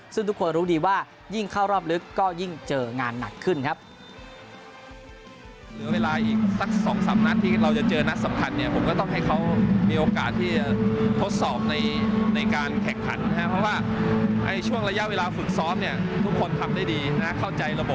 ซึ่งทุกคนรู้ดีว่ายิ่งเข้ารอบลึกก็ยิ่งเจองานหนักขึ้นครับ